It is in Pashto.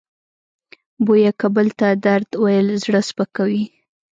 بویه که بل ته درد ویل زړه سپکوي.